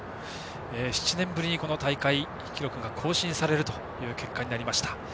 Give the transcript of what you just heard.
７年ぶりに、この大会記録が更新される結果になりました。